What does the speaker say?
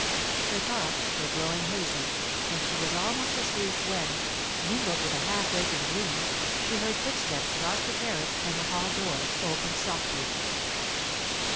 Her thoughts were growing hazy and she was almost asleep when, mingled with a half waking dream, she heard footsteps cross the terrace and the hall door open softly.